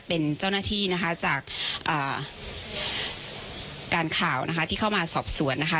เป็นเจ้าหน้าที่นะคะจากการข่าวนะคะที่เข้ามาสอบสวนนะคะ